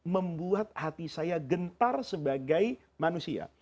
membuat hati saya gentar sebagai manusia